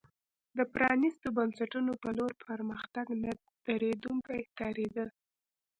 د پرانیستو بنسټونو په لور پرمختګ نه درېدونکی ښکارېده.